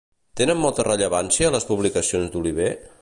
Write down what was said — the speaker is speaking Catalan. Tenen molta rellevància les publicacions d'Oliver?